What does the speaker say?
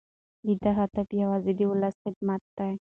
د ده هدف یوازې د ولس خدمت دی.